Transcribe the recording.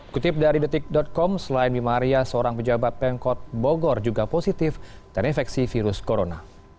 kutip dari detik com selain bima arya seorang pejabat pemkot bogor juga positif terinfeksi virus corona